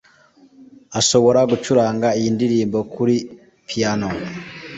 Ashobora gucuranga iyi ndirimbo kuri piyano.